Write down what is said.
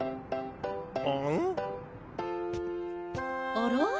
あら？